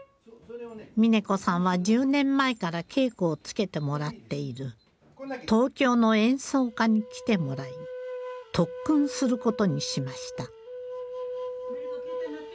峯子さんは１０年前から稽古をつけてもらっている東京の演奏家に来てもらい特訓する事にしました。